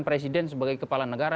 presiden sebagai kepala negara